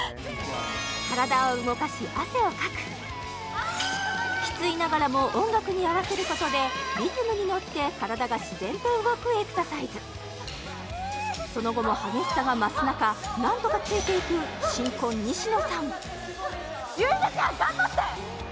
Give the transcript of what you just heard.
体を動かし汗をかくきついながらも音楽に合わせることでリズムに乗って体が自然と動くエクササイズその後も激しさが増す中何とかついていく新婚・西野さん